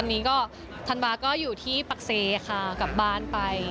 ตอนนี้ก็ธันวาก็อยู่ที่ปักเซค่ะกลับบ้านไป